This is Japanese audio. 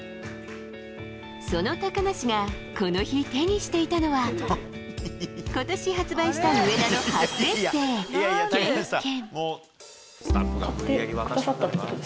その高梨が、この日手にしていたのは今年発売した上田の初エッセー「経験」。